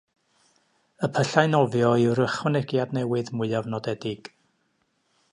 Y pyllau nofio yw'r ychwanegiad newydd mwyaf nodedig.